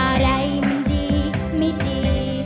อะไรมันดีไม่ดี